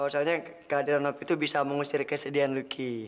soalnya keadilan opi itu bisa mengusir kesedihan lucky